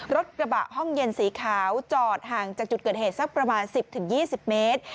รถกระบะห้องเย็นสีขาวจอดห่างจากจุดเกิดเหตุสักประมาณ๑๐๒๐เมตร